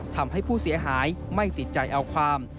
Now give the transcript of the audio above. ทำให้ผู้เสียหายไม่ติดใจเอาความ